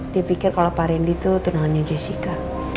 dipikir kalau pak rendy tuh tunangannya jessica